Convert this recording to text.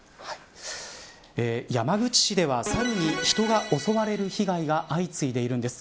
山口市では、サルに人が襲われる被害が相次いでいるんです。